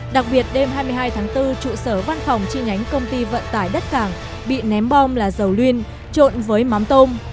đặc biệt đêm hai mươi hai tháng bốn trụ sở văn phòng chi nhánh công ty vận tải đất cảng bị ném bom là dầu luyên trộn với mắm tôm